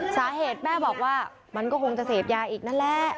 สาเหตุแม่บอกว่ามันก็คงจะเสพยาอีกนั่นแหละ